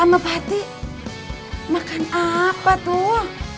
eh al ama patih makan apa tuh